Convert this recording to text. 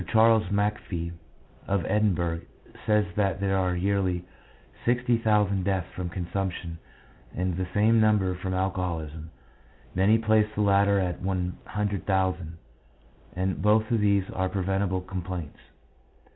Charles Macfie, of Edinburgh, says that there are yearly 60,000 deaths from consumption and the same number from alcoholism ; many place the latter at 100,000, and both of these are preventible complaints.